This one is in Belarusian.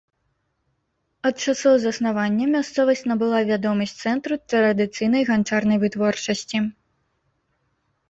Ад часоў заснавання мясцовасць набыла вядомасць цэнтру традыцыйнай ганчарнай вытворчасці.